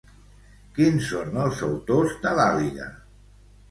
Quins són els autors de l'àliga?